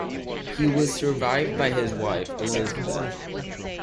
He was survived by his wife, Elizabeth.